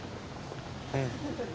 うん。